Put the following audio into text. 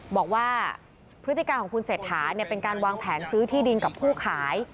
บอกว่าพฤติการของคุณเศรษฐาเป็นการวางแผนซื้อที่ดินกับผู้ขาย